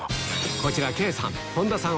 こちら圭さん本田さん